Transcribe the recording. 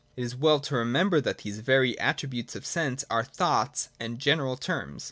It is well to remember that these very attri butes of sense are thoughts and general terms.